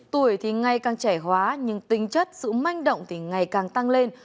tuổi thì ngay càng trẻ hóa nhưng tính chất sự manh động thì ngay càng tăng lên